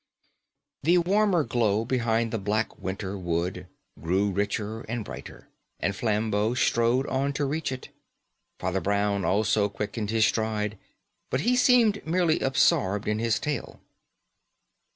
The warmer glow behind the black winter wood grew richer and brighter, and Flambeau strode on to reach it. Father Brown also quickened his stride; but he seemed merely absorbed in his tale.